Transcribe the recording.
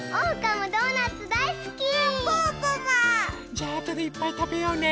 じゃあとでいっぱいたべようね。